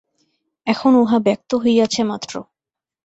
এখন উহা ব্যক্ত হইয়াছে মাত্র।